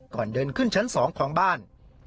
ก่อนเดินขึ้นชั้น๒ของบ้าน